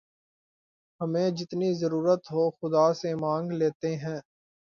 ہمیں جتنی ضرورت ہو خدا سے مانگ لیتے ہیں